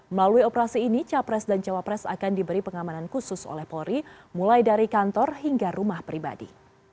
melalui operasi ini capres dan cawapres akan diberi pengamanan khusus oleh polri mulai dari kantor hingga rumah pribadi